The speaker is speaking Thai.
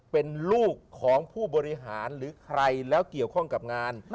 เป็นลูกของผู้บริหารหรือใครแล้วเกี่ยวข้องกับงาน